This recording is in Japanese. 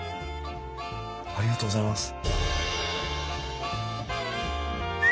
ありがとうございます。